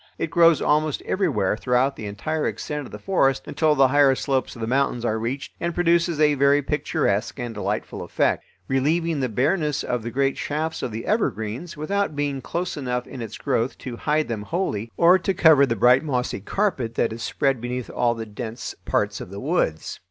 It grows almost everywhere throughout the entire extent of the forest until the higher slopes of the mountains are reached, and produces a very picturesque and delightful effect; relieving the bareness of the great shafts of the evergreens, without being close enough in its growth to hide them wholly, or to cover the bright mossy carpet that is spread beneath all the dense parts of the woods.